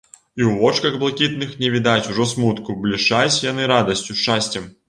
І ў вочках блакітных не відаць ужо смутку, блішчаць яны радасцю, шчасцем.